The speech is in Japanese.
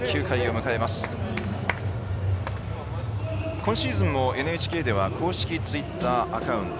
今シーズンのＮＨＫでは公式ツイッターアカウント